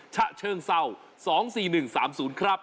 ฉะเชิงเศร้า๒๔๑๓๐ครับ